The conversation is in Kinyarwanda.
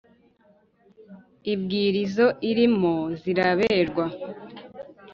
ibwira izo irimo ziraberwa,